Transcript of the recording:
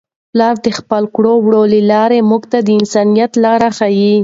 پلار د خپلو کړو وړو له لارې موږ ته د انسانیت لار ښيي.